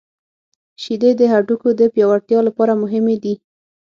• شیدې د هډوکو د پیاوړتیا لپاره مهمې دي.